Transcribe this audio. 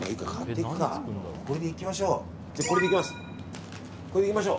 これでいきましょう。